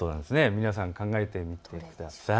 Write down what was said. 皆さん考えてみてください。